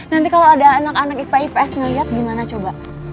nanti kalau ada anak anak ipa ips ngelihat gimana coba